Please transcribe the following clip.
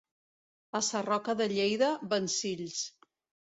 A Sarroca de Lleida, vencills.